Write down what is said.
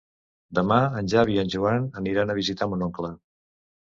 Demà en Xavi i en Joan aniran a visitar mon oncle.